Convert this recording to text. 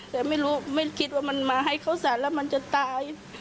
แต่ไม่รู้ไม่คิดว่ามันมาให้ข้าวสารแล้วมันจะตาย